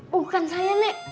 bukan saya nek